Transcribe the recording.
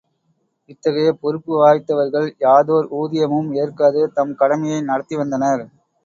இத்தகைய பொறுப்பு வாய்ந்தவர்கள் யாதோர் ஊதியமும் ஏற்காது, தம் கடமையை நடத்தி வந்தனர்.